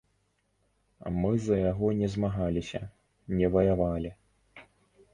Мы за яго не змагаліся, не ваявалі.